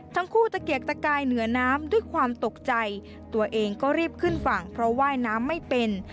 ตะเกียกตะกายเหนือน้ำด้วยความตกใจตัวเองก็รีบขึ้นฝั่งเพราะว่ายน้ำไม่เป็น